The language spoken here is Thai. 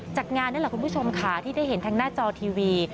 จากงานนี่แหละคุณผู้ชมค่ะที่ได้เห็นทางหน้าจอทีวี